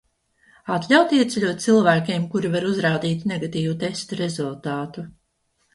Atļaut ieceļot cilvēkiem, kuri var uzrādīt negatīvu testa rezultātu?